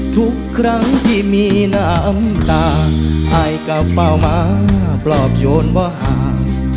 ทุกครั้งที่มีน้ำตาอายก็เฝ้ามาปลอบโยนว่าห่าง